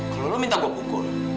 kalau lo minta gue pukul